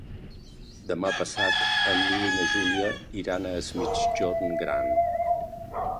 Demà passat en Nil i na Júlia iran a Es Migjorn Gran.